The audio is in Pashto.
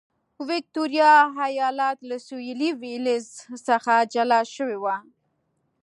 ویکټوریا ایالت له سوېلي ویلز څخه جلا شوی و.